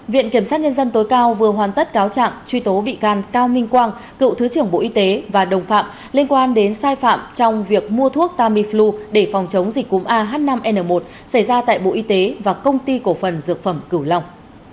viện kiểm sát nhân dân tối cao vừa hoàn tất cáo trạng truy tố bị can cao minh quang cựu thứ trưởng bộ y tế và đồng phạm liên quan đến sai phạm trong việc mua thuốc tamiflu để phòng chống dịch cúm ah năm n một xảy ra tại bộ y tế và công ty cổ phần dược phẩm cửu long